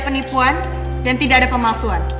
penipuan dan tidak ada pemalsuan